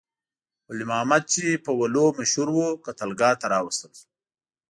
ولی محمد چې په ولو مشهور وو، قتلګاه ته راوستل شو.